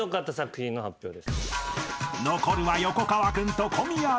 ［残るは横川君と小宮君］